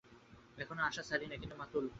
এখনো আশা ছাড়ি নাই, কিন্তু মাতুলকে ছাড়িয়াছি।